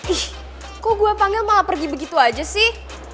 ih kok gue panggil malah pergi begitu aja sih